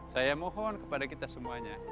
saya mohon kepada kita semuanya